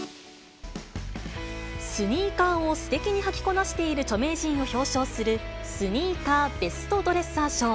スニーカーをすてきに履きこなしている著名人を表彰する、スニーカーベストドレッサー賞。